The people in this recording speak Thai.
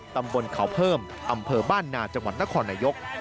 ตำบลเขาเพิ่มอำเภอบ้านนาจังหวัดนครนายก